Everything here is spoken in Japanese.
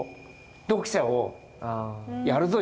読者を「やるぞ！」